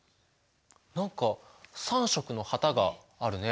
何か３色の旗があるね。